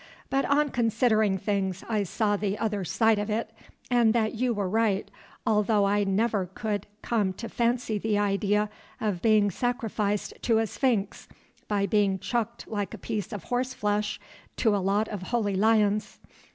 But on considering things I saw the other side of it, and that you were right, although I never could come to fancy the idea of being sacrificed to a sphinx by being chucked like a piece of horse flesh to a lot of holy lions.